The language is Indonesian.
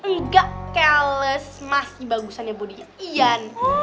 enggak keles masih bagusannya bodinya ian